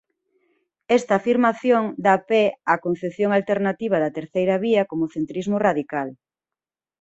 Esta afirmación dá pé á concepción alternativa da terceira vía como "centrismo radical".